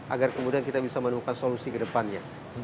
agar kemudian kita bisa menemukan solusi ke depannya